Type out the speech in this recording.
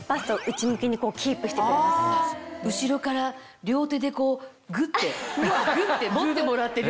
後ろから両手でこうグッてグッて持ってもらってるような。